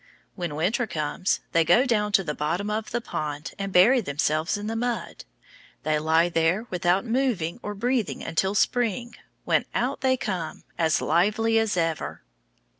When winter comes, they go down to the bottom of the pond and bury themselves in the mud. They lie there without moving or breathing until spring, when out they come, as lively as ever.